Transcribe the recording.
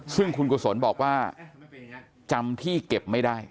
ซึ่งคุณกุศลบอกว่าจำที่เก็บไม่ได้